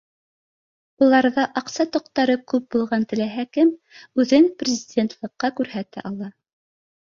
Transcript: Уларҙа аҡса тоҡтары күп булған теләһә кем үҙен президентлыҡҡа күрһәтә ала